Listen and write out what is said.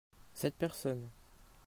Cette personne.